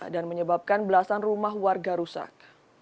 dan menyebabkan belasan rumah warga rusak